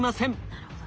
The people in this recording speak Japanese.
なるほど。